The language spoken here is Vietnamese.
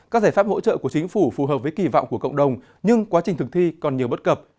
các giải pháp hỗ trợ của chính phủ phù hợp với kỳ vọng của cộng đồng nhưng quá trình thực thi còn nhiều bất cập